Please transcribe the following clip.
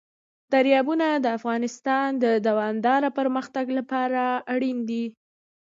دریابونه د افغانستان د دوامداره پرمختګ لپاره اړین دي.